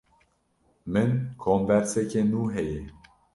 Min komberseke nû heye.